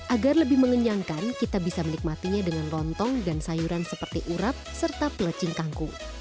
agar lebih mengenyangkan kita bisa menikmatinya dengan lontong dan sayuran seperti urap serta pelecing kangkung